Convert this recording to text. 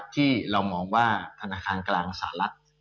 ที่เรามองว่าธนาคารกลางสหรัฐ